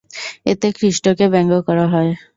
এতে খ্রীস্টকে ব্যঙ্গ করা হয়।